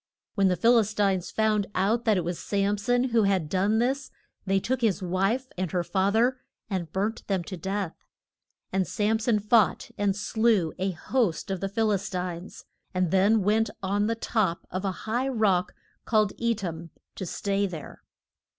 When the Phil is tines found out that it was Sam son who had done this they took his wife and her fath er and burnt them to death. And Sam son fought and slew a host of the Phil is tines, and then went on the top of a high rock called E tam to stay there.